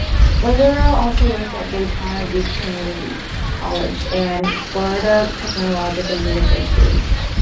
Wetherell also worked at Daytona Beach Community College and Florida Technological University.